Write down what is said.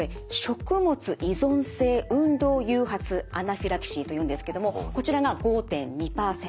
食物依存性運動誘発アナフィラキシーというんですけどもこちらが５．２％。